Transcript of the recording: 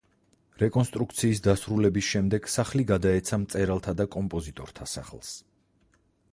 რეკონსტრუქციის დასრულების შემდეგ სახლი გადაეცა მწერალთა და კომპოზიტორთა სახლს.